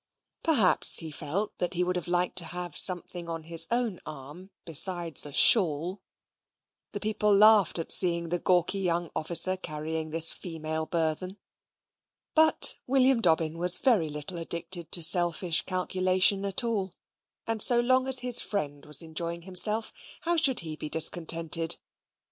Perhaps he felt that he would have liked to have something on his own arm besides a shawl (the people laughed at seeing the gawky young officer carrying this female burthen); but William Dobbin was very little addicted to selfish calculation at all; and so long as his friend was enjoying himself, how should he be discontented?